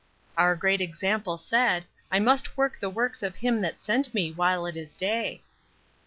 "Our great Example said; 'I must work the works of him that sent me while it is day.'"